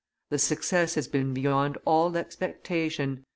The success has been beyond all expectation.